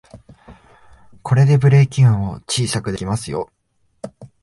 これでブレーキ音を小さくできますよ